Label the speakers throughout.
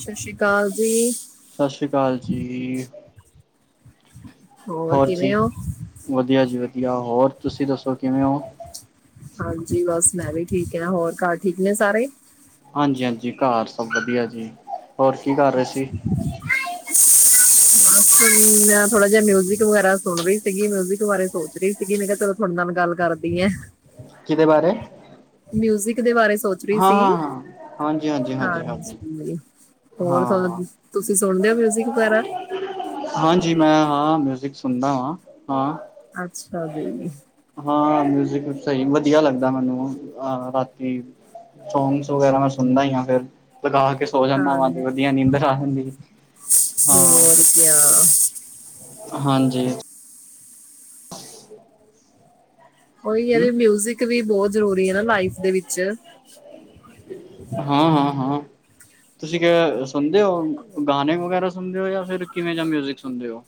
Speaker 1: ਸਤਿ ਸ੍ਰੀ ਅਕਾਲ ਜੀ।
Speaker 2: ਸਤਿ ਸ਼੍ਰੀ ਅਕਾਲ ਜੀ। ਹੋਰ
Speaker 1: ਕਿਵੇਂ
Speaker 2: ਜੀ
Speaker 1: ਹੋ
Speaker 2: ਵਧੀਆ ਜੀ ਵਧੀਆ। ਹੋਰ ਤੁਸੀਂ ਦੱਸੋ ਕਿਵੇਂ ਔ?
Speaker 1: ਹਾਂਜੀ, ਬਸ ਮੈਂ ਵੀ ਠੀਕ ਹ ਨਾ ਹੋਰ ਘਰ ਠੀਕ ਨੇ ਸਾਰੇ?
Speaker 2: ਹਾਂਜੀ-ਹਾਂਜੀ, ਘਰ ਸਭ ਵਧੀਆ ਜੀ ਹੋਰ ਕੀ ਕਰ ਰਹੇ ਸੀ?
Speaker 1: [unintelligible] ਮੈਂ ਥੋੜਾ ਜਿਹਾ ਮਿਊਜਿਕ ਵਗੈਰਾ ਸੁਣ ਰਹੀ ਸੀਗੀ, ਮਿਊਜਿਕ ਬਾਰੇ ਸੋਚ ਰਹੀ ਸੀਗੀ ਮੈਂ ਕਿਹਾ ਚਲ [inaudible] ਨਾਲ ਗੱਲ ਕਰਦੀ ਐ।
Speaker 2: ਕਿਹਦੇ ਬਾਰੇ?
Speaker 1: ਮਿਊਜਿਕ ਦੇ ਬਾਰੇ ਸੋਚ ਰਹੀ
Speaker 2: ਹਾਂ,
Speaker 1: ਸੀ
Speaker 2: ਹਾਂ, ਹਾਂ। ਹਾਂਜੀ-ਹਾਂਜੀ।
Speaker 1: ਹਾਂਜੀ, ਹੋਰ
Speaker 2: ਹਾਂ,
Speaker 1: ਤੁਸੀਂ ਸੁਣਦੇ ਹੋ ਮਿਊਜਿਕ ਵਗੈਰਾ?
Speaker 2: ਹਾਂਜੀ, ਮੈਂ ਹਾਂ ਮਿਊਜਿਕ ਸੁਣਦਾ ਹਾਂ, ਹਾਂ।
Speaker 1: ਅੱਛਾ ਜੀ?
Speaker 2: ਹਾਂ ਮਿਊਜਿਕ ਸਹੀ ਵਧੀਆ ਲੱਗਦਾ, ਮੈਨੂੰ ਅਹ ਰਾਤੀ ਸੌਣ ਤੋਂ ਪਹਿਲਾਂ ਮੈਂ ਸੁਣਦਾ ਹੀ ਹਾਂ। ਫਿਰ ਲਗਾ ਕੇ ਸੋ ਜਾਂਦਾ
Speaker 1: ਹਾਂ
Speaker 2: ਵਾਂ ਤੇ ਵਧੀਆ ਨੀਂਦਰ ਆ ਜਾਂਦੀ ਹਾਂ-
Speaker 1: [unintelligible]
Speaker 2: ਹਾਂਜੀ।
Speaker 1: ਉਹੀ ਹੈ
Speaker 2: ਹੂੰ,
Speaker 1: ਵੀ ਮਿਊਜਿਕ ਵੀ ਬਹੁਤ ਜ਼ਰੂਰੀ ਹੈ ਨਾ ਲਾਈਫ ਦੇ ਵਿੱਚ।
Speaker 2: ਹਾਂ, ਹਾਂ, ਹਾਂ। ਤੁਸੀਂ ਸੁਣਦੇ ਹੋ ਗਾਣੇ ਵਗੈਰਾ ਸੁਣਦੇ ਹੋ ਜਾਂ ਫਿਰ ਕਿਵੇਂ ਜਾਂ ਮਿਊਜਿਕ ਸੁਣਦੇ ਔ?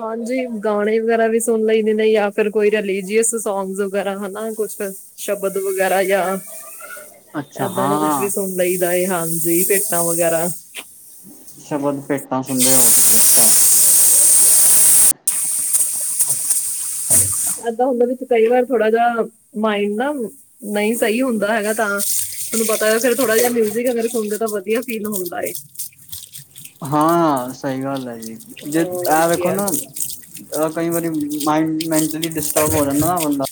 Speaker 1: ਹਾਂਜੀ, ਗਾਣੇ ਵਗੈਰਾ ਵੀ ਸੁਣ ਲੈਂਦੇ ਨੇ ਜਾਂ ਫਿਰ ਕੋਈ ਰਲੀਜੀਅਸ ਸੌਗਸ ਵਗੈਰਾ ਹਨਾ ਕੁਛ ਸ਼ਬਦ ਵਗੈਰਾ ਜਾਂ
Speaker 2: ਅੱਛਾ
Speaker 1: ਏਦਾਂ ਦਾ ਕੁਛ ਵੀ
Speaker 2: ਹਾਂ
Speaker 1: ਸੁਣ ਲਈਦਾ, ਹਾਂਜੀ ਭੇਟਾ ਵਗੈਰਾ।
Speaker 2: ਸ਼ਬਦ ਭੇਟਾ ਸੁਣਦੇ ਹੋ ਤੁਸੀ ਅੱਛਾ।
Speaker 1: ਏਦਾਂ ਹੁੰਦੇ ਵਿੱਚ ਕਈ ਵਾਰ ਥੋੜਾ ਜਾ ਮਾਇੰਡ ਨਾ ਨਹੀਂ ਸਹੀ ਹੁੰਦਾ ਹੈਗਾ ਤਾਂ ਤੁਹਨੂੰ ਪਤਾ ਹੈ ਫਿਰ ਥੋੜਾ ਜਿਹਾ ਮਿਊਜ਼ਿਕ ਅਗਰ ਸੁਣਦੇ ਤਾਂ ਵੀਆ ਫੀਲ ਹੁੰਦਾ ਏ।
Speaker 2: ਹਾਂ ਸਈ ਗੱਲ ਐ ਜੀ ਜੇ
Speaker 1: ਹੋਰ
Speaker 2: ਐ ਵੇਖੋ
Speaker 1: ਕਿਆ
Speaker 2: ਨਾ। ਕਈ ਵਾਰੀ ਮਾਈੰਡ ਮੈਂਟਲੀ ਡਿਸਟਰਬ ਹੋ ਜਾਂਦਾ ਨਾ ਬੰਦਾ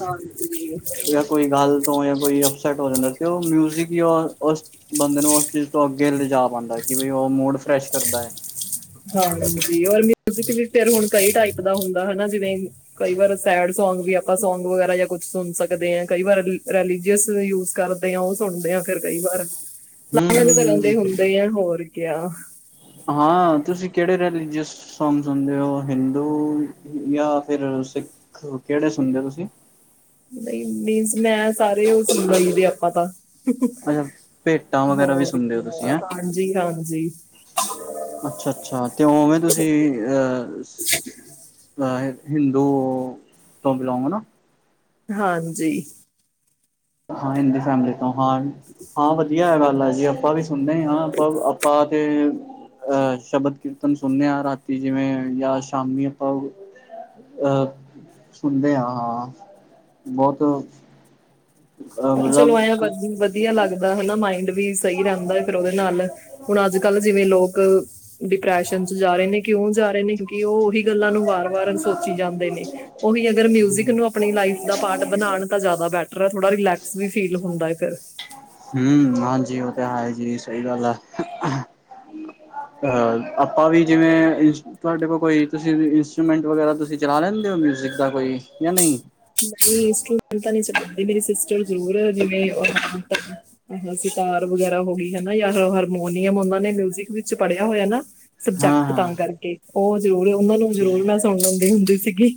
Speaker 1: ਹਾਂਜੀ
Speaker 2: ਜਾਂ ਕੋਈ ਗੱਲ ਤੋਂ ਜਾਂ ਕੋਈ ਅਪਸੈਟ ਹੋ ਜਾਂਦਾ ਤੇ ਓ ਮਿਊਜ਼ਿਕ ਈ ਓ ਉਸ ਬੰਦੇ ਨੂੰ ਉਸ ਚੀਜ਼ ਤੋਂ ਅੱਗੇ ਲਿਜਾ ਪਾਂਦਾ ਕਿ ਬਈ ਓ ਮੂਡ ਫਰੈਸ਼ ਕਰਦਾ ਐ।
Speaker 1: ਹਾਂਜੀ [unintelligible] ਫਿਰ ਹੁਣ ਕਈ ਟਾਈਪ ਦਾ ਹੁੰਦਾ ਹਨਾ ਜਿਵੇਂ ਕਈ ਵਾਰ ਸੈਡ ਸੌਂਗ ਵੀ ਆਪਾਂ ਸੌਂਗ ਵਗੈਰਾ ਜਾਂ ਕੁਛ ਸੁਣ ਸਕਦੇ ਆਂ ਕਈ ਵਾਰ ਰਿਲੀਜੀਅਸ ਵੀ ਯੂ ਕਰ ਓ ਸੁਣਦੇ ਆ ਫਿਰ ਕਈ ਵਾਰ
Speaker 2: ਹੂੰ
Speaker 1: ਅਲੱਗ-
Speaker 2: ਹੂੰ
Speaker 1: ਅਲੱਗ ਤਰ੍ਹਾਂ
Speaker 2: ਹੂੰ
Speaker 1: ਦੇ ਹੁੰਦੇ ਆ ਹੋਰ ਕਿਆ
Speaker 2: ਹਾਂ ਤੁਸੀਂ ਕੇੜੇ ਰੈਲੀਜੀਅਸ ਸੌਂਗ ਸੁਣਦੇ ਹੋ ਹਿੰਦੂ ਜਾਂ ਫਿਰ ਸਿੱਖ ਕੇੜੇ ਸੁਣਦੇ ਹੋ ਤੁਸੀਂ
Speaker 1: ਨਈ ਮੀਨਸ ਮੈਂ ਸਾਰੇ ਓ ਸੁਣ ਲਈ ਦੇ ਆਪਾਂ ਤਾਂ
Speaker 2: ਅੱਛਾ ਭੇਟਾਂ ਵਗੈਰਾ ਵੀ
Speaker 1: ਹੋਰ
Speaker 2: ਸੁਣਦੇ
Speaker 1: ਕੀ
Speaker 2: ਹੋ ਤੁਸੀਂ ਹੈਂ
Speaker 1: ਹਾਂਜੀ-ਹਾਂਜੀ
Speaker 2: ਅੱਛਾ-ਅੱਛਾ ਤੇ ਉਵੇਂ ਤੁਸੀਂ ਅ ਅ ਹਿੰਦੂ ਤੋ ਬਿਲੋਂਗ ਹਨਾ।
Speaker 1: ਹਾਂਜੀ
Speaker 2: ਹਾਂ ਹਿੰਦੂ ਫੈਮਲੀ ਤੋਂ ਹਾਂ-ਹਾਂ ਵਧੀਆ ਗੱਲ ਆ ਜੀ ਆਪਾਂ ਵੀ ਸੁਣਦੇ ਹਾਂ ਆਪ ਆਪਾਂ ਤੇ ਅਹ ਸ਼ਬਦ ਕੀਰਤਨ ਸੁਣਦੇ ਹਾਂ ਰਾਤੀ ਜਿਵੇਂ ਜਾਂ ਸ਼ਾਮੀ ਆਪਾਂ ਅ ਸੁਣਦੇ ਆਂ ਹਾਂ ਬੋਤ
Speaker 1: ਚਲੋ ਆਇਆ ਵੱਧੀ ਵ ਵਧੀਆ ਲੱਗਦਾ ਹਨਾ ਮਾਇੰਡ ਵੀ ਸਈ ਰੈਂਦਾ ਫਿਰ ਉਹਦੇ ਨਾਲ ਹੁਣ ਅੱਜ ਕੱਲ ਜਿਵੇਂ ਲੋਕ ਡਿਪਰੈਸ਼ਨ 'ਚ ਜਾ ਰਏ ਨੇ ਕਿਉਂ ਜਾ ਰਏ ਨੇ ਕਿਉਂਕਿ ਓ ਉਹੀ ਗੱਲਾਂ ਨੂੰ ਵਾਰ-ਵਾਰ ਸੋਚੀ ਜਾਂਦੇ ਨੇ। ਉਹੀ ਅਗਰ ਮਿਊਜਿਕ ਨੂੰ ਆਪਣੀ ਲਾਈਫ ਦਾ ਪਾਰਟ ਬਣਾਣ ਤਾਂ ਜਾਦਾ ਬੈਟਰ ਥੋੜਾ ਰਿਲੈਕਸ ਵੀ ਫੀਲ ਹੁੰਦਾ ਫਿਰ
Speaker 2: ਹੂੰ ਹਾਂਜੀ ਓ ਤੇ ਹੈ ਜੀ ਸਹੀ ਗੱਲ ਆ। ਅ ਆਪਾਂ ਵੀ ਜਿਵੇਂ ਤੁਹਾਡੇ ਕੋਲ ਕੋਈ ਤੁਸੀਂ ਇੰਸਟਰੂਮੈਂਟ ਵਗੈਰਾ ਤੁਸੀਂ ਚਲਾ ਲੈਂਦੇ ਹੋ ਮਿਊਜ਼ਿਕ ਦਾ ਕੋਈ ਜਾਂ ਨਈ
Speaker 1: ਨਈ ਸਟੂਟ ਤਾਂ ਨਈ ਚਲਾ ਮੇਰੀ ਸਿਸਟਰ ਜ਼ਰੂਰ ਜਿਵੇਂ ਆਹੋ ਸਿਤਾਰ ਵਗੈਰਾ ਹੋ ਗਈ ਹਨਾ ਯ ਹਾਰਮੋਨੀਅਮ ਉਹਨਾ ਨੇ ਮਿਊਜਿਕ ਵਿੱਚ ਪੜ੍ਹਿਆ ਹੋਇਆ ਨਾ।
Speaker 2: ਹਾਂ
Speaker 1: ਸਬਜੈਕਟ
Speaker 2: ਹਾਂ
Speaker 1: ਤਾਂ ਕਰਕੇ ਓ ਜ਼ਰੂਰ ਉਹਨਾਂ ਨੂੰ ਜ਼ਰੂਰ ਮੈਂ ਸੁਣ ਲੈਂਦੀ ਹੁੰਦੀ ਸੀਗੀ।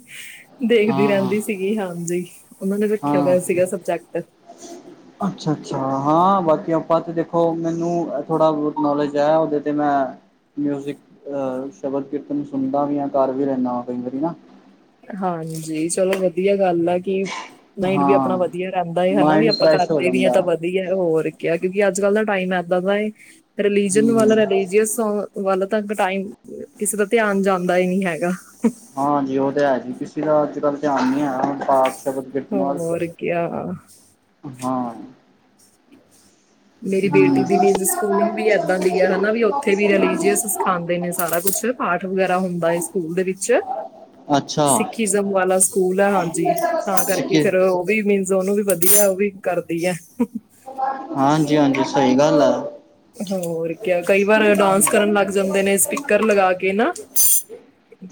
Speaker 1: ਦੇਖਦੀ
Speaker 2: ਹਾਂ
Speaker 1: ਰੈਂਦੀ ਸੀਗੀ ਹਾਂਜੀ ਉਹਨਾਂ ਨੇ ਰੱਖਿਆ ਹੋਇਆ ਸੀਗਾ ਸਬਜੈਕਟ
Speaker 2: ਅੱਛਾ-ਅੱਛਾ ਹਾਂ ਬਾਕੀ ਆਪਾਂ ਤੇ ਦੇਖੋ ਮੈਨੂੰ ਥੋੜਾ ਬੋਤ ਨੋਲੇਜ ਹੈ ਉਹਦੇ ਤੇ ਮੈਂ ਮਿਊਜ਼ਿਕ ਸ਼ਬਦ ਕੀਰਤਨ ਸੁਣਦਾ ਵੀ ਹ ਕਰ ਵੀ ਲੈਂਣਾ ਵਾਂ ਕਈ ਵਾਰੀ ਨਾ
Speaker 1: ਹਾਂਜੀ ਚਲੋ ਵ ਵਧੀਆ ਗੱਲ ਆ ਕਿ ਮਾਈੰਡ ਵੀ ਆਪਣਾ
Speaker 2: ਹਾਂ
Speaker 1: ਵਧੀਆ ਰੈਂਦਾ ਹਨਾ ਵੀ
Speaker 2: ਮਾਇੰਡ
Speaker 1: ਆਪਾਂ
Speaker 2: ਫਰੈਸ਼ ਹੋ
Speaker 1: ਕਰਦੇ ਵੀ ਆ
Speaker 2: ਜਾਂਦਾ
Speaker 1: ਤਾਂ ਵਧੀਆ ਹੋਰ ਕਿਆ ਕਿਉਂਕਿ ਅੱਜ ਕੱਲ ਦਾ ਟਾਈਮ ਇੱਦਾਂ ਦਾ ਰਿਲੀਜਨ ਵਾਲਾ
Speaker 2: ਹੂੰ
Speaker 1: ਰਿਲੀਜੀਅਸ ਸੌਂ ਵੱਲ ਤੱਕ ਟਾਈਮ ਕਿਸੇ ਦਾ ਧਿਆਨ ਜਾਂਦਾ ਹੀ ਨਈ ਹੈਗਾ।
Speaker 2: ਹਾਂਜੀ ਓ ਤੇ ਹੈ ਜੀ ਕਿਸੇ ਦਾ ਅੱਜ ਕੱਲ੍ਹ ਧਿਆਨ ਨੀ ਹੈ ਆ। ਪਾਠ ਸ਼ਬਦ ਕੀਰਤਨ ਵੱਲ
Speaker 1: ਹੋਰ ਕਿਆ
Speaker 2: ਹਾਂ।
Speaker 1: ਮੇਰੀ ਬੇਟੀ ਦੀ ਵੀ ਸਕੂਲਿੰਗ ਵੀ ਏਦਾਂ ਦੀ ਹੈ ਹਨਾ ਵੀ ਉੱਥੇ ਵੀ ਰਲੀਜੀਅਸ ਸਿਖਾਂਦੇ ਨੇ ਸਾਰਾ ਕੁਛ ਪਾਠ ਵਗੈਰਾ ਹੁੰਦਾ ਏ ਸਕੂਲ ਦੇ ਵਿੱਚ
Speaker 2: ਅੱਛਾ।
Speaker 1: ਸਿੱਖਿਜ਼ਮ ਵਾਲਾ ਸਕੂਲ ਹੈ ਹਾਂਜੀ ਤਾਂ ਕਰਕੇ
Speaker 2: ਸਿੱਕੇ
Speaker 1: ਫਿਰ ਓ ਵੀ ਮ ਜੋ ਉਹਨੂੰ ਵੀ ਵਧੀਆ ਓ ਵੀ ਕਰਦੀ ਆ।
Speaker 2: ਹਾਂਜੀ-ਹਾਂਜੀ ਸਈ ਗੱਲ ਆ।
Speaker 1: ਹੋਰ ਕ ਕਈ ਵਾਰ ਡਾਂਸ ਕਰਨ ਲੱਗ ਜਾਂਦੇ ਨੇ ਸਪੀਕਰ ਲਗਾ ਕੇ ਨਾ।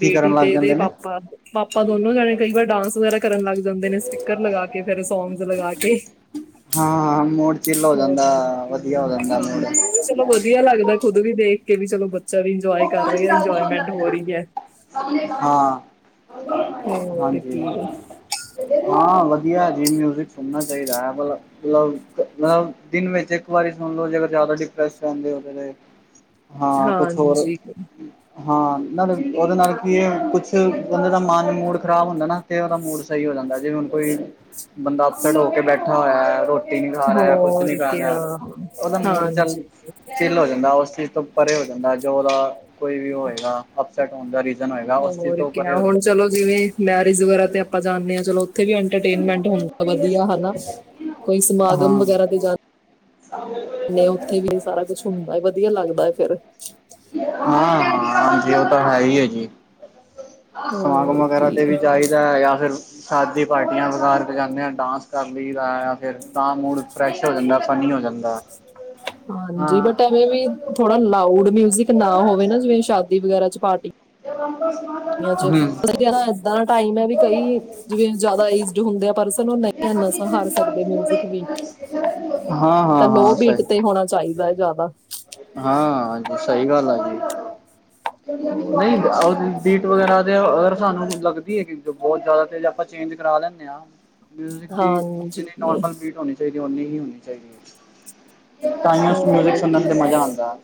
Speaker 2: ਕੀ ਕਰਨ ਲੱਗ
Speaker 1: ਤੇ ਇਦੇ
Speaker 2: ਜਾਂਦੇ ਨੇ
Speaker 1: ਪਾਪਾ ਪਾਪਾ ਦੋਨੋ ਜਾਣੇ ਕਈ ਵਾਰ ਡਾਂਸ ਵਗੈਰਾ ਕਰਨ ਲੱਗਦੇ। ਲੱਗਦੇ ਨੇ ਸਪੀਕਰ ਲਗਾ ਕੇ ਫੇਰ ਸੌਂਗਜ਼ ਲਗਾ ਕੇ।
Speaker 2: ਹਾਂ ਹਾਂ ਮੂਡ ਚਿੱਲ ਹੋ ਜਾਂਦਾ ਵਧੀਆ ਹੋ ਜਾਂਦਾ ਮੂਡ।
Speaker 1: ਨਹੀਂ ਚਲੋ ਵਧੀਆ ਲੱਗਦਾ ਖੁਦ ਵੀ ਦੇਖ ਕੇ ਵੀ ਚਲੋ। ਵੀ
Speaker 2: [unintelligible]
Speaker 1: ਇੰਜੋਏ ਕਰ ਰਿਹਾ ਇੰਜੋਇਮੈਂਟ ਹੋ ਰਹੀ ਹੈ
Speaker 2: ਹਾਂ
Speaker 1: ਹੋਰ
Speaker 2: ਹਾਂਜੀ।
Speaker 1: ਕੀ
Speaker 2: ਹਾਂ ਵਧੀਆ ਜੀ ਮਿਊਜਿਕ ਸੁਣਨਾ ਚਾਹੀਦਾ ਐ ਵਾਲਾ। ਮਤਲਬ ਮਤਲਬ ਦਿਨ ਵਿੱਚ ਇੱਕ ਵਾਰੀ ਸੁਣ ਲਓ ਜੇਕਰ ਜ਼ਿਆਦਾ ਡਿਪਰੈਸ ਰਹਿੰਦੇ ਹੋ। ਹਾਂ ਕੁਛ ਹੋਰ
Speaker 1: ਹਾਂਜੀ।
Speaker 2: ਹਾਂ ਨਾਲੇ ਉਹਦੇ ਨਾਲ ਕੀ ਹੈ ਕੁਛ ਬੰਦੇ ਦਾ ਮਨ ਮੂਡ ਖ਼ਰਾਬ ਹੁੰਦਾ ਨਾ। ਤੇ ਉਹਦਾ ਮੂਡ ਸਹੀ ਹੋ ਜਾਂਦਾ ਜਿਵੇਂ ਹੁਣ ਕੋਈ ਬੰਦਾ ਅਪਸਡ ਹੋ ਕੇ ਬੈਠਾ ਹੋਇਆ ਰੋਟੀ ਰਟੀ ਨੀ ਖਾ ਰਿਹਾ ਕੁਛ ਨੀ
Speaker 1: ਹੋਰ
Speaker 2: ਕਰ
Speaker 1: ਕਿਆ
Speaker 2: ਰਿਹਾ ਉਹਦਾ ਮੂਡ ਚੱਲ
Speaker 1: ਹਾਂਜੀ
Speaker 2: ਚਿਲ ਹੋ ਜਾਂਦਾ ਉਸ ਚੀਜ਼ ਤੋਂ ਪਰੇ ਹੋ ਜਾਂਦਾ ਜੋ ਉਹਦਾ ਕੋਈ ਵੀ ਹੋਵੇਗਾ। ਸਾਡਾ ਉਹਦਾ ਰੀਜ਼ਨ ਹੋਏਗਾ ਉਸ ਚੀਜ਼
Speaker 1: ਹੋਰ
Speaker 2: ਤੋਂ ਪਰੇ
Speaker 1: ਕਿਆ
Speaker 2: ਹੋ
Speaker 1: ਹੁਣ
Speaker 2: ਜਾਂਦਾ।
Speaker 1: ਚਲੋ ਜਿਵੇਂ ਮੈਰਿਜ ਵਗੈਰਾ ਤੇ ਆਪਾਂ ਜਾਂਦੇ ਹਾਂ ਚਲੋ ਉੱਥੇ ਵੀ ਆਂ। ਐਂਟਰਟੇਨਮੈਂਟ ਹੁੰਦਾ ਵਧੀਆ ਹਨਾ ਕੋਈ ਸਮਾਗਮ ਵਗੈਰਾ ਤੇ ਜਾਂਦੇ।
Speaker 2: ਹਾਂ।
Speaker 1: ਨਹੀਂ ਉੱਥੇ ਵੀ ਸਾਰਾ ਕੁਝ ਹੁੰਦਾ ਹੈ ਵਧੀਆ ਲੱਗਦਾ ਹੈ ਫੇਰ।
Speaker 2: ਹਾਂ ਹਾਂਜੀ ਉਹ ਤਾਂ ਹੈ ਹੀ ਹੈ ਜੀ। ਸਮਾਗਮ
Speaker 1: ਹੋਰ
Speaker 2: ਵਗੈਰਾ ਤੇ
Speaker 1: ਕੀ
Speaker 2: ਵੀ ਚਾਹੀਦਾ ਹੈ ਜਾਂ ਫਿਰ ਸ਼ਾਦੀ। ਪਾਰਟੀਆਂ ਵਗੈਰਾ ਤੇ ਜਾਂਦੇ ਹਾਂ ਡਾਂਸ ਕਰ ਲਈ ਦਾ ਫਿਰ ਤਾਂ ਮੁੂੜ ਫਰੈਸ਼ ਹੋ ਜਾਂਦਾ ਫਨੀ ਹੋ ਜਾਂਦਾ।
Speaker 1: ਹਾਂਜੀ
Speaker 2: ਹਾਂ
Speaker 1: ਬਟ ਐਵੇਂ ਵੀ ਥੋੜਾ ਲਾਊਡ ਮਿਊਜਿਕ ਨਾ ਹੋਵੇ ਨਾ ਜਿਵੇਂ ਸ਼ਾਦੀ ਵਗੈਰਾ ਚ ਪਾਰਟੀ ਕਈਆਂ ਚ
Speaker 2: ਹੂੰ।
Speaker 1: ਏਦਾਂ ਦਾ ਟਾਈਮ ਹੈ ਵੀ ਕਈ ਜਿਵੇਂ ਜਿਆਦਾ ਏਜਡ ਹੁੰਦੇ ਪਰਸਨ ਉਹ ਨਹੀਂ ਨਾ ਸਹਾਰ ਸਕਦੇ ਮਿਊਜਿਕ ਵੀ।
Speaker 2: ਹਾਂ ਹਾਂ।
Speaker 1: ਤਾਂ ਲੋਅ
Speaker 2: ਹਾਂ
Speaker 1: ਬੀਟ
Speaker 2: ਸਹੀ
Speaker 1: ਤੇ ਹੋਣਾ ਚਾਹੀਦਾ ਹੈ ਜ਼ਿਆਦਾ।
Speaker 2: ਹਾਂ ਸਹੀ ਗੱਲ ਆ ਜੀ
Speaker 1: ਹੋਰ
Speaker 2: ਨਹੀਂ
Speaker 1: ਕੀ
Speaker 2: ਉਹ ਵਗੈਰਾ ਤੇ ਅਗਰ ਸਾਨੂੰ ਲੱਗਦੀ ਹੈ ਕਿ ਬਹੁਤ ਜ਼ਿਆਦਾ ਤੇ ਆਪਾਂ ਚੇਂਜ ਕਰਾ ਲੈਂਦੇ ਹਾਂ। ਮਿਊਜ਼ਿਕ ਦੀ ਜਿੰਨੀ
Speaker 1: ਹਾਂਜੀ
Speaker 2: ਨੋਰਮਲ ਬੀਟ ਹੋਣੀ ਚਾਹੀਦੀ ਹੈ ਓਨੀ ਹੀ ਹੋਣੀ ਚਾਹੀਦੀ ਹੈ। ਸਾਈਲੈਂਟ ਮਿਊਜ਼ਿਕ
Speaker 1: ਹੋਰ
Speaker 2: ਸੁਣਨ
Speaker 1: ਕੀ
Speaker 2: ਤੇ ਮਜ਼ਾ ਆਉਂਦਾ।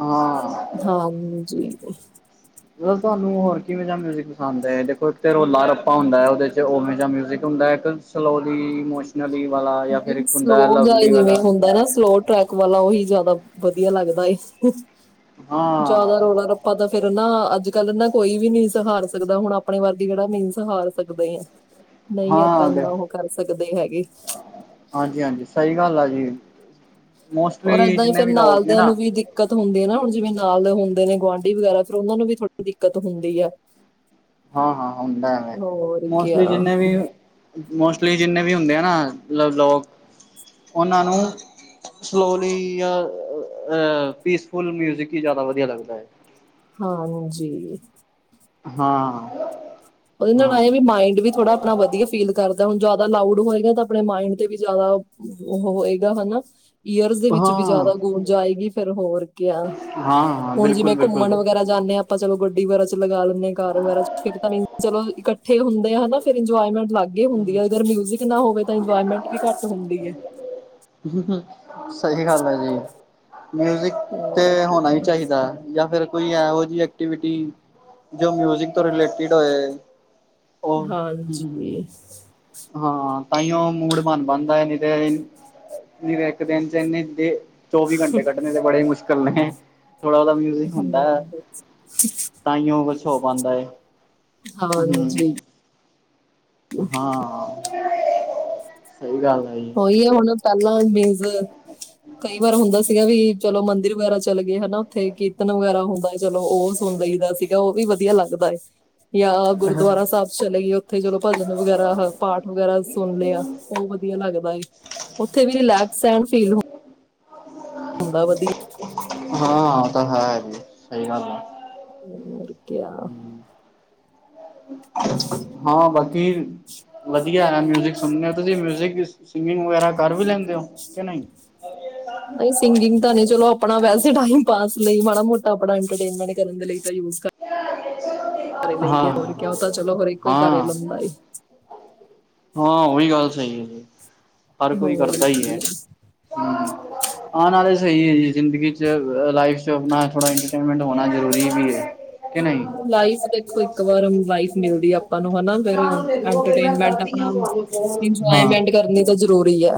Speaker 2: ਹਾਂ
Speaker 1: ਹਾਂਜੀ।
Speaker 2: ਤੁਹਾਨੂੰ ਹੋਰ ਕਿਵੇ ਮਿਜਿਕ ਪਸੰਦ ਹੈ ਦੇਖੋ ਇੱਕ ਰੋਲਾ ਰੱਪਾ ਹੁੰਦਾ ਹੈ। ਉਵੇਂ ਦਾ ਮਿਜਿਕ ਹੁੰਦਾ ਇੱਕ ਸਲੋਲੀ। ਨ ਵੀ ਵਾਲਾ ਜਾਂ ਫਿਰ
Speaker 1: ਨਹੀਂ
Speaker 2: ਇੱਕ ਹੁੰਦਾ
Speaker 1: ਸਲੋ ਜਿਹਾ
Speaker 2: ਲਵਲੀ ਵਾਲਾ
Speaker 1: ਜਿਵੇਂ ਹੁੰਦਾ ਨਾ ਸਲੋ ਟਾਈਪ ਵਾਲਾ ਉਹੀ ਜਿਆਦਾ ਵਧੀਆ ਲੱਗਦਾ
Speaker 2: ਹਾਂ
Speaker 1: ਜਿਆਦਾ ਰੋਲਾ ਰ ਆਪਾਂ ਤਾਂ ਫੇਰ ਨਾ ਅੱਜ ਕੱਲ ਨਾ ਕੋਈ ਵੀ ਨਹੀਂ ਸਹਾਰ ਸਕਦਾ ਹੁਣ ਆਪਣੇ ਵਰਗੇ ਜਿਹੜਾ ਵੀ ਸਹਾਰ ਸਕਦਾ ਏ। ਨਹੀਂ ਆਪਾਂ
Speaker 2: ਹਾਂ
Speaker 1: ਇੰਨਾ ਉਹ ਕਰ ਸਕਦੇ ਹੈਗੇ।
Speaker 2: ਹਾਂਜੀ ਹਾਂਜੀ ਸਹੀ ਗੱਲ ਆ ਜੀ।
Speaker 1: ਔਰ
Speaker 2: ਮੋਸਟਲੀ
Speaker 1: ਏਦਾਂ ਹੀ
Speaker 2: ਜਿੰਨੇ
Speaker 1: ਫੇਰ
Speaker 2: ਵੀ ਲੋਕ ਨੇ
Speaker 1: ਨਾਲਦਿਆਂ
Speaker 2: ਨਾ
Speaker 1: ਨੂੰ ਵੀ ਦਿ ਦਿੱਕਤ ਹੁੰਦੀ ਹੈ ਨਾ ਹੁਣ ਜਿਵੇਂ ਨਾਲ ਦੇ ਹੁੰਦੇ ਨੇ ਗੁਆਂਢੀ ਵਗੈਰਾ ਫਿਰ ਉਹਨਾ ਨੂੰ ਵੀ ਥੋੜੀ ਦਿੱਕਤ ਹੁੰਦੀ ਹੈ।
Speaker 2: ਹਾਂ ਹਾਂ ਹੁੰਦਾ ਐਵੇਂ
Speaker 1: ਹੋਰ
Speaker 2: ਮੋਸਟਲੀ
Speaker 1: ਕਿਆ
Speaker 2: ਜਿੰਨੇ ਵੀ ਮੋਸਟਲੀ ਜਿੰਨੇ ਵੀ ਹੁੰਦੇ ਆ ਨਾਲ ਲੋਕ ਉਹਨਾਂ ਨੂੰ ਸਲੋਲੀ ਜਾਂ ਅਹ ਪੀਸਫੁਲ ਮਿਊਜਿਕ ਹੀ ਜ਼ਿਆਦਾ ਵਧੀਆ ਲੱਗਦਾ ਹੈ।
Speaker 1: ਹਾਊ ਜੀ
Speaker 2: ਹਾਂ
Speaker 1: ਉਹਦੇ ਨਾਲ ਇਹਏ ਵੀ ਮਾਇੰਡ ਵੀ ਥੋੜਾ ਆਪਣਾ ਵਧੀਆ ਫੀਲ ਕਰਦਾ ਹੁਣ ਜਿਆਦਾ ਲਾਊਡ ਹੋਏਗਾ ਤਾਂ ਆਪਣੇ ਮਾਇੰਡ ਤੇ ਵੀ ਜਿਆਦਾ ਹੋਏਗਾ ਹਨਾ ਈਅਰਸ ਦੇ ਵਿੱਚ ਵੀ ਜ਼ਿਆਦਾ ਗੂੰ ਜਾਏਗੀ ਫਿਰ ਹੋਰ ਕਿਆ
Speaker 2: ਹਾਂ-ਹਾਂ
Speaker 1: ਹੁਣ ਜਿਵੇਂ
Speaker 2: ਬਿਲਕੁਲ-ਬਿਲਕੁਲ।
Speaker 1: ਘੁੰਮਣ ਵਗੈਰਾ ਜਾਂਦੇ ਹਾਂ ਆਪਾਂ ਚਲੋ ਗੱਡੀ ਵਗੈਰਾ ਚ ਲਗਾ ਲੈਂਦੇ ਹਾਂ ਕਾਰ ਵਗੈਰਾ ਚ ਫਿਰ ਤਾਂ ਵੀ ਚਲੋ ਇਕੱਠ ਹੁੰਦੇ ਆ ਹਨਾ ਫਿਰ ਇੰਜੋਏਮੈਂਟ ਲੱਗ ਗੇ ਹੁੰਦੀ ਹੈ ਅਗਰ ਮਿਊਜਿਕ ਨਾ ਹੋਵੇ ਤਾਂ ਇੰਜੋਇਰਮੈਂਟ ਵੀ ਘੱਟ ਹੁੰਦੀ ਹੈ।
Speaker 2: ਸਹੀ ਗੱਲ ਹੈ ਜੀ ਮਿਊਜਿਕ
Speaker 1: ਹੋਰ
Speaker 2: ਤੇ ਹੋਣਾ ਹੀ
Speaker 1: ਕਿਆ
Speaker 2: ਚਾਹੀਦਾ ਜਾਂ ਫਿਰ ਕੋਈ ਇਹੋ ਜਿਹੀ ਐਕਟੀਵਿਟੀ ਜੋ ਮਿਊਜਿਕ ਤੋਂ ਰਿਲੇਟਿਡ ਹੋਏ
Speaker 1: ਹਾਂਜੀ
Speaker 2: ਉਹ ਹਾਂ ਤਾਂ ਹੀ ਉਹ ਮੂਡ ਬਣ ਬਣਦਾ ਨਹੀਂ ਤੇ ਨਰੇ ਇੱਕ ਦਿਨ ਚਨੇ ਦੇ ਚੌਵੀ ਘੰਟੇ ਕੱਢਣੇ ਤੇ ਬੜੇ ਮੁਸ਼ਕਿਲ ਨੇ ਥੋੜਾ ਉਹਦਾ ਵੀ
Speaker 1: ਹਮ,
Speaker 2: ਹੁੰਦਾ ਤਾਂਹੀ ਓ ਕੁਛ ਹੋ ਪਾਉਂਦਾ ਹੈ। ਹੂੰ
Speaker 1: ਹਾਂਜੀ
Speaker 2: ਹਾਂ ਸਹੀ ਗੱਲ ਆ
Speaker 1: ਹੀ ਹੁਣ ਪਹਿਲਾਂ ਮੀਨਜ਼ ਕਈ ਵਾਰ ਹੁੰਦਾ ਸੀਗਾ ਵੀ ਚਲੋ ਮੰਦਿਰ ਵਗੈਰਾ ਚਲੇ ਗਏ ਹਨਾ ਉੱਥੇ ਕੀਰਤਨ ਵਗੈਰਾ ਹੁੰਦਾ ਚਲੋ ਉਹ ਸੁਣ ਲਈਦਾ ਸੀਗਾ ਉਹ ਵੀ ਵਧੀਆ ਲੱਗਦਾ ਹੈ। [inaudible] ਜਾਂ ਗੁਰਦੁਆਰਾ ਸਾਹਿਬ ਚਲੇ ਗਏ ਉੱਥੇ ਚਲੋ ਭਜਨ ਵਗੈਰਾ ਪਾਠ ਵਗੈਰਾ ਸੁਣ ਆ ਵਧੀਆ ਲੱਗਦਾ ਉੱਥੇ ਵੀ ਰਿਲੈਕਸ ਫੀਲ ਹੁੰਗਾ ਵਧੀਆ
Speaker 2: ਹਾਂ ਉਹ ਤਾਂ ਹੈ ਜੀ ਸਹੀ ਗੱਲ ਆ
Speaker 1: ਹੋਰ ਕਿਆ
Speaker 2: ਹੂੰ ਹਾਂ ਬਾਕੀ ਵਧੀਆ ਹੈ ਮਿਊਜਿਕ ਸੁਣਦੇ ਤਾਂ ਜੇ ਮਿਊਜਿਕ ਸਿੰਗਿੰਗ ਵਗੈਰਾ ਕਰ ਵੀ ਲੈਂਦੇ ਹੋ ਕਿ ਨਹੀਂ
Speaker 1: ਨਹੀਂ ਸਿੰਗਿੰਗ ਤਾਂ ਨ ਚਲੋ ਆਪਣਾ ਵੈਸੇ ਟਾਈਮ ਪਾਸ ਲਈ ਮਾੜਾ ਮੋਟਾ ਆਪਣਾ ਐਂਟਰਟੇਨਮੈਂਟ ਕਰਨ ਦੇ ਲਈ ਯੂ
Speaker 2: [unintelligible]
Speaker 1: ਘਰੇ ਲਈਏ ਹੋਰ ਕਿਆ ਤਾਂ ਚਲੋ ਹਰ ਇੱਕੋ ਹੀ ਘਰੇ
Speaker 2: ਹਾਂ
Speaker 1: ਲਾਂਦਾ ਏ
Speaker 2: ਹਾਂ ਉਹੀ ਗੱਲ ਸਹੀ ਹੈ ਹਰ ਕੋਈ
Speaker 1: ਹੋਰ
Speaker 2: ਕਰਦਾ ਹੀ ਹੈ।
Speaker 1: ਕੀ। [inaudible]
Speaker 2: ਆਉਣ ਵਾਲੇ ਸਹੀ ਹੈ ਜੀ ਜ਼ਿੰਦਗੀ ਚ ਲਾਈਫ ਚ ਆਪਣਾ ਥੋੜਾ ਐਂਟਰਟੇਨਮੈਂਟ ਹੋਣਾ ਜ਼ਰੂਰੀ ਵੀ ਹੈ। ਕਿ ਨਹੀਂ
Speaker 1: ਲਾਈਫ ਦੇਖੋ ਇੱਕ ਵਾਰ ਲਾਈਫ ਮਿਲਦੀ ਆਪਾਂ ਨੂੰ ਹਨਾ ਫਿਰ ਇਟਰਟੇਨਮੈਂਟ ਆਪ
Speaker 2: ਹਾਂ
Speaker 1: ਇੰਜੋਏਮੈਂਟ ਕਰਨੀ ਤਾਂ ਜ਼ਰੂਰੀ ਆ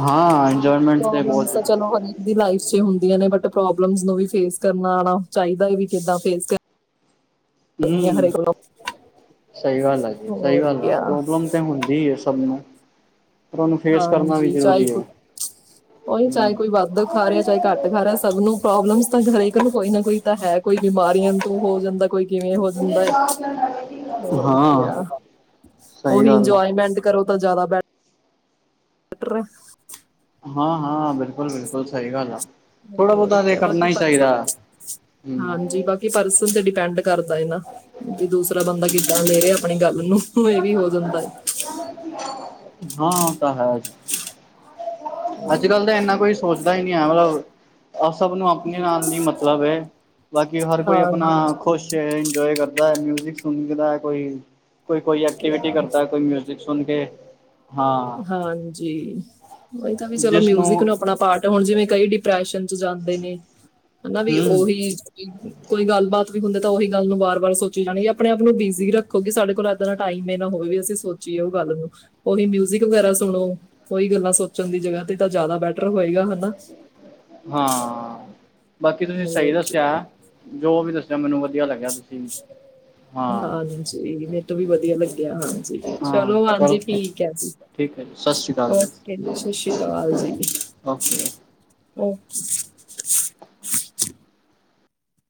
Speaker 2: ਹਾਂ ਇੰਜੋਏਮੈਂਟ ਤੇ ਬਹੁਤ
Speaker 1: ਤਾਂ ਚਲੋ ਹਰੇਕ ਦੀ ਲਾਈਫ ਚ ਹੁੰਦੀਆਂ ਨੇ ਬਟ ਪ੍ਰੋਬਲਮ ਨੂੰ ਵੀ ਫੇਸ ਕਰਨਾ ਆਉਣਾ ਚਾਹੀਦਾ ਵੀ ਕਿੱਦਾਂ ਫੇਸ ਕਰਨੀਆਂ
Speaker 2: ਹੂੰ
Speaker 1: ਹਰੇਕ ਨੂੰ
Speaker 2: ਸਹੀ ਗੱਲ ਆ ਜੀ ਸਹੀ
Speaker 1: ਹੋਰ
Speaker 2: ਗੱਲ ਆ
Speaker 1: ਕਿਆ
Speaker 2: ਪ੍ਰੋਬਲਮ ਤੇ ਹੁੰਦੀ ਹੈ। ਨੂੰ ਪਰ ਉਹਨੂੰ ਫੇਸ ਕਰਨਾ ਵੀ
Speaker 1: ਹਾਂਜੀ ਚਾਹ
Speaker 2: ਜ਼ਰੂਰੀ
Speaker 1: ਕੋ
Speaker 2: ਹੈ
Speaker 1: ਉਹੀ ਚਾਹ ਏ
Speaker 2: ਹਮ
Speaker 1: ਕੋਈ ਵੱਧ ਖਾ ਰਿਹਾ ਚਾਹੇ ਘੱਟ ਖਾ ਰਿਹਾ ਸਭ ਨੂੰ ਪ੍ਰੋਬਲਮਸ ਤਾਂ ਹਰੇਕ ਨੂੰ ਕੋਈ ਨਾ ਕੋਈ ਤਾਂ ਹੈ ਕੋਈ ਬਿਮਾਰੀਆਂ ਤੋਂ ਹੋ ਜਾਂਦਾ ਕੋਈ ਕਿਵੇਂ ਹੋ ਜਾਂਦਾ ਹੈ। ਹੋਰ
Speaker 2: ਹਾਂ
Speaker 1: ਕਿਆ
Speaker 2: ਸਹੀ
Speaker 1: ਉਹੀ
Speaker 2: ਗੱਲ ਆ
Speaker 1: ਇੰਜੋਏਮੈਂਟ ਕਰੋ ਤਾਂ ਜ਼ਿਆਦਾ ਬੈਠ [unintelligible]
Speaker 2: ਹਾਂ-ਹਾਂ, ਬਿਲਕੁਲ ਬਿਲਕੁਲ ਸਹੀ ਗੱਲ ਆ। ਥੋੜਾ
Speaker 1: ਹੋਰ
Speaker 2: ਬਹੁਤਾ ਤੇ
Speaker 1: ਕਿਆ
Speaker 2: ਕਰਨਾ
Speaker 1: ਬਾਕੀ
Speaker 2: ਹੀ ਚਾਹੀਂਦਾ, ਹੂੰ।
Speaker 1: ਕਿ ਪਰਸਨ ਤੇ ਡਿਪੈਂਡ ਕਰਦਾ ਏ ਨਾ, ਵੀ ਦੂਸਰਾ ਬੰਦਾ ਕਿੱਦਾਂ ਲੈ ਰਿਹਾ ਆਪਣੀ ਗੱਲ ਨੂੰ। ਇਹ ਵੀ ਹੋ ਜਾਂਦਾ ਹੈ
Speaker 2: ਹਾਂ ਉਹ ਤਾਂ ਹੈ। ਅੱਜ ਕੱਲ ਤਾਂ ਇੰਨਾ ਕੋਈ ਸੋਚਦਾ ਹੀ ਨੀ ਐ ਮਲਬ, ਅ ਸਭ ਨੂੰ ਆਪਣੇ ਨਾਲ ਨ ਮਤਲਬ ਏ। ਬਾਕੀ ਹਰ ਕੋਈ ਆਪਣਾ
Speaker 1: ਹਾਂਜੀ
Speaker 2: ਖੁਸ਼ ਏ ਇੰਜੋਏ ਕਰ ਦਾ ਮਿਊਜ਼ਿਕ ਸੁਗ ਦੈ ਕੋਈ, ਕੋਈ ਐਕਟੀਵਿਟੀ
Speaker 1: ਕਿਆ
Speaker 2: ਕਰਦਾ ਕੋਈ ਮਿ ਦੇਖ ਸੁਣ ਕੇ, ਹਾਂ।
Speaker 1: ਹਾਂਜੀ, ਉਹੀ ਤਾਂ ਵੀ ਚਲੋਂ
Speaker 2: ਜਿਸਨੂੰ
Speaker 1: ਮਿਊਜਿਕ ਨੂੰ ਆਪਣਾ ਪਾਰਟ, ਹੁਣ ਜਿਵੇਂ ਕਈ ਡਿਪਰੈਸ਼ਨ ਚ ਜਾਂਦੇ ਨੇ ਹਨਾ ਵੀ
Speaker 2: ਹਮ
Speaker 1: ਉਹੀ ਕੋਈ ਗੱਲਬਾਤ ਵੀ ਹੁੰਦੇ ਤਾਂ ਉਹੀ ਗੱਲ ਨੂੰ ਵਾਰ ਵਾਰ ਸੋਚੀ ਜਾਣੀ, ਆਪਣੇ ਆਪ ਨੂੰ ਬਿਜ਼ੀ ਰੱਖੋ, ਕਿ ਸਾਡੇ ਕੋਲ ਇੱਦਾਂ ਦਾ ਟਾਈਮ ਏ ਨਾ ਹੋਵੇ, ਅਸੀਂ ਸੋ ਚੀਐ ਉਹ ਗੱਲ ਨੂੰ, ਉਹੀ ਮਿਊਜ਼ਿਕ ਵਗੈਰਾ ਸੁਣੋਂ, ਕੋਹੀ ਗੱਲਾਂ ਸੋਚਣ ਦੀ ਜਗ੍ਹਾ ਤੇ ਤਾਂ ਜ਼ਿਆਦਾ ਬੈਟਰ ਹੋਏਗਾ ਹਨਾ।
Speaker 2: ਹਾਂ, ਬਾਕੀ ਤੁਸੀਂ ਸਹੀ
Speaker 1: ਹੋਰ
Speaker 2: ਦੱਸਿਆਂ।
Speaker 1: ਕਿਆ।
Speaker 2: ਜੋ ਵੀ ਦੱਸਿਆਂ, ਮੈਨੂੰ ਵਧੀਆ ਲੱਗਿਆਂ ਤੁਸੀਂ ਹਾਂ
Speaker 1: ਹਾਂਜੀ, ਮੇਰੇ ਤੋਂ ਵੀ ਵਧੀਆ ਲੱਗਿਆ ਹਾਂਜੀ
Speaker 2: ਹਾਂ
Speaker 1: ਚਲੋਂ, ਹਾਂਜੀ
Speaker 2: ਚਲੋ
Speaker 1: ਠੀਕ ਐ ਜੀ।
Speaker 2: ਠੀਕ ਐ ਜੀ। ਸ਼੍ਰੀ ਅਕਾਲ
Speaker 1: ਉਕੇ ਜੀ ਸਤਿ ਸ਼੍ਰੀ ਅਕਾਲ ਜੀ।
Speaker 2: ਓਕੇ।
Speaker 1: ਓਕੇ।